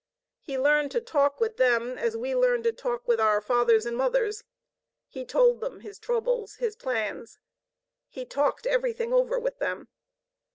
He learned to talk with them as we learn to talk with our fathers and mothers. He told them his troubles, his plans. He talked everything over with them.